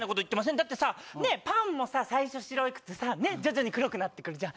だってさ、ね、パンもさ、最初白くてさ、ね、徐々に黒くなってくるじゃん。